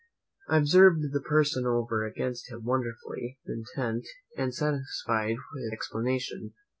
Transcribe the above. I observed the person over against him wonderfully intent and satisfied with his explanation.